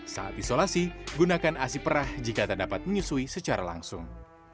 saat isolasi gunakan asi perah jika tak dapat menyusui secara langsung